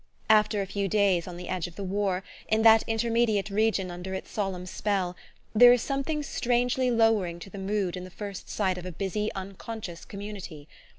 After a few days on the edge of the war, in that intermediate region under its solemn spell, there is something strangely lowering to the mood in the first sight of a busy unconscious community.